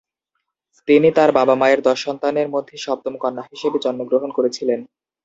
তিনি তাঁর বাবা-মায়ের দশ সন্তানের মধ্যে সপ্তম কন্যা হিসাবে জন্মগ্রহণ করেছিলেন।